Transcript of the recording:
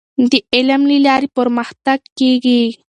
د علم له لارې پرمختګ کیږي.